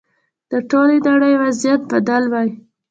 د ټولې نړۍ وضعیت بدل وای.